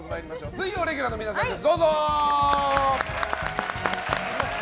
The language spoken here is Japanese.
水曜レギュラーの皆さんです。